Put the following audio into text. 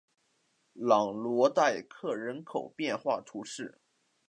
朗罗代克人口变化图示